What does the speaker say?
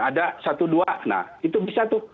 ada satu dua nah itu bisa tuh